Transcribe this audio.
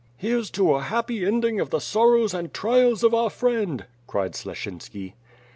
"Here's to a happy ending of the sorrows and trials of our friend," cried Sleshinski.